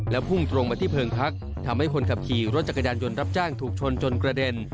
พุ่งตรงมาที่เพิงพักทำให้คนขับขี่รถจักรยานยนต์รับจ้างถูกชนจนกระเด็น